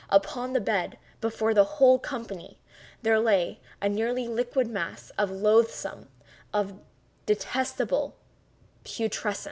Upon the bed, before that whole company, there lay a nearly liquid mass of loathsome—of detestable putrescence.